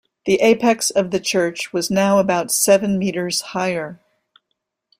The apex of the church was now about seven metres higher.